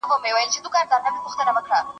هره هڅه يو قدم مخکي دی